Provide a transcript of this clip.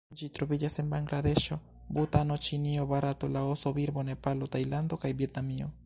Ĝi troviĝas en Bangladeŝo, Butano, Ĉinio, Barato, Laoso, Birmo, Nepalo, Tajlando kaj Vjetnamio.